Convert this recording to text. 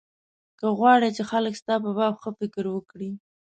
که غواړې چې خلک ستا په باب ښه فکر وکړي.